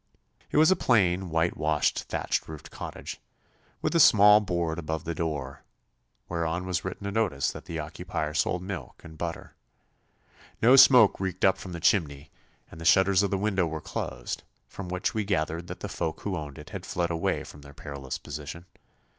It was a plain, whitewashed, thatch roofed cottage, with a small board above the door, whereon was written a notice that the occupier sold milk and butter. No smoke reeked up from the chimney, and the shutters of the window were closed, from which we gathered that the folk who owned it had fled away from their perilous position.